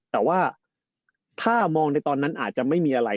แต่ว่าถ้ามองในตอนนั้นอาจจะไม่มีอะไร